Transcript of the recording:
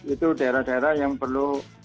itu daerah daerah yang perlu